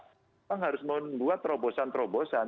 memang harus membuat terobosan terobosan